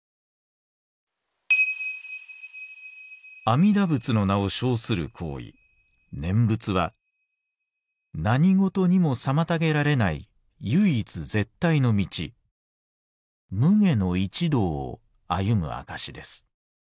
「阿弥陀仏の名を称する行為念仏は何事にも妨げられない唯一絶対の道無礙の一道を歩む証です。